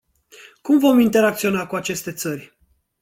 Cum vom interacționa cu aceste țări?